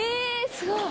すごい！